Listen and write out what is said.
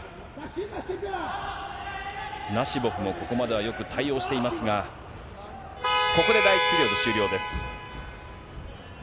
ナシボフもここまではよく対応していますが、ここで第１ピリオド終了です。